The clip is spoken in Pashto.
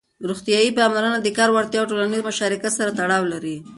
روغتيايي پاملرنه د کار وړتيا او ټولنيز مشارکت سره تړاو لري.